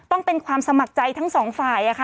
ต้องเป็นความสมัครใจทั้งสองฝ่าย